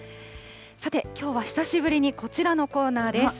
さて、きょうは久しぶりにこちらのコーナーです。